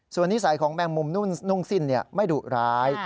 ส่วนนิสัยของแมงมุมนุ่งสิ้นไม่ดุร้าย